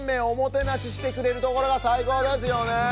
おもてなししてくれるところがさいこうですよね。